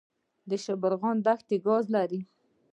د شبرغان دښتې ګاز لري